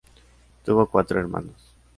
Tuvo cuatro hermanos.